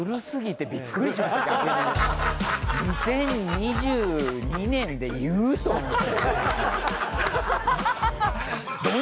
２０２２年で言う？と思って。